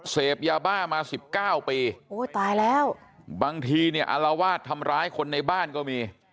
เสพยาบ้ามาสิบเก้าปีโอ้ยตายแล้วบางทีเนี่ยอารวาสทำร้ายคนในบ้านก็มี